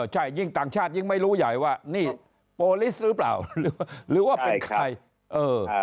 ใช่ยิ่งต่างชาติยิ่งไม่รู้ใหญ่ว่านี่โปรลิสหรือเปล่าหรือว่าเป็นใครเออ